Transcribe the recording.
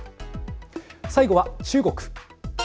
最後は中国。